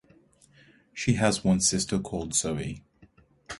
She has one sister called Zoe.